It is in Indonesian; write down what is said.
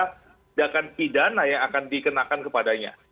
tindakan pidana yang akan dikenakan kepadanya